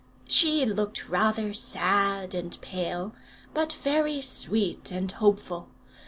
She looked rather sad and pale, but very sweet and hopeful.